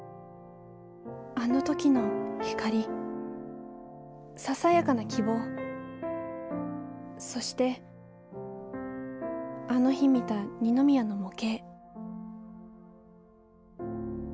あの時の光ささやかな希望そしてあの日見た二宮の模型